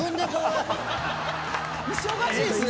忙しいっすね。